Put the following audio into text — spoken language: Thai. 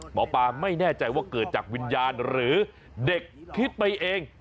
หมอปลาไม่แน่ใจว่าเกิดจากวิญญาณหรือเด็กคิดไปเอง